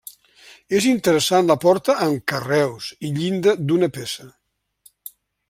És interessant la porta amb carreus i llinda d'una peça.